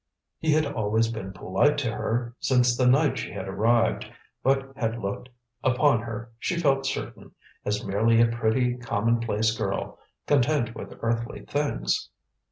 He had always been polite to her, since the night she arrived, but had looked upon her, she felt certain, as merely a pretty, commonplace girl, content with earthly things.